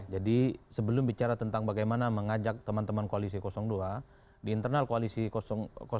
jadi sebelum bicara tentang bagaimana mengajak teman teman koalisi dua di internal koalisi satu ini suasana batinnya harus kemestrinya terbangun yang sama